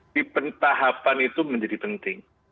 di pentahapan itu menjadi penting